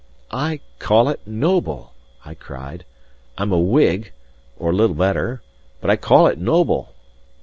"I call it noble," I cried. "I'm a Whig, or little better; but I call it noble."